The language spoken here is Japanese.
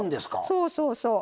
そうそうそう。